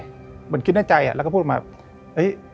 เหมือนคิดในใจอะแล้วก็พูดมาแบบ